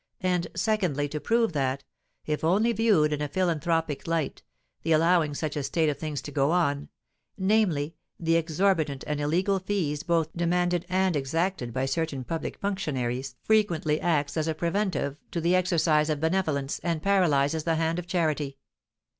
And secondly, to prove that, if only viewed in a philanthropic light, the allowing such a state of things to go on (namely, the exorbitant and illegal fees both demanded and exacted by certain public functionaries), frequently acts as a preventive to the exercise of benevolence, and paralyses the hand of charity.